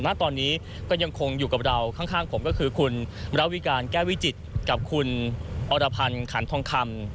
ณตอนนี้ก็ยังคงอยู่กับเราข้างผมก็คือคุณมรวิการแก้วิจิตรกับคุณอรพันธ์ขันทองคำ